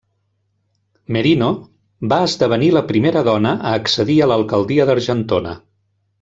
Merino, va esdevenir la primera dona a accedir a l'Alcaldia d'Argentona.